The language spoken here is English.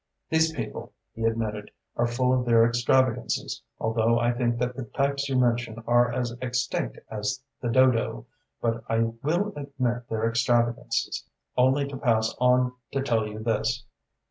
"These people," he admitted, "are full of their extravagances, although I think that the types you mention are as extinct as the dodo, but I will admit their extravagances, only to pass on to tell you this.